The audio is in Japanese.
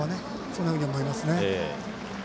そのように思いますね。